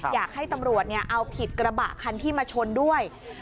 อยากให้ตำรวจเอาผิดกระบะคันที่มาชนด้วย